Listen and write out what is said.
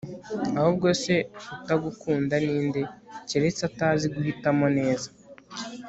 ahubwo se utagukunda ninde, keretse atazi guhitamo neza